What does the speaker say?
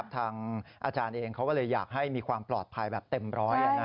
ทางอาจารย์เองเขาก็เลยอยากให้มีความปลอดภัยแบบเต็มร้อย